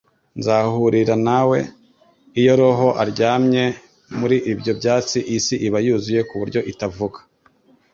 Nzahurira nawe. Iyo roho aryamye muri ibyo byatsi isi iba yuzuye ku buryo itavuga. ”